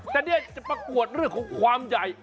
แต่เนี่ยจะประกวดเรื่องของความใหญ่